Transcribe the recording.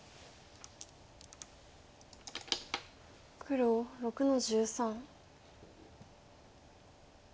黒６の十三。